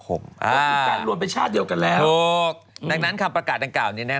ก็คือการรวมเป็นชาติเดียวกันแล้วถูกดังนั้นคำประกาศดังกล่าวนี้แน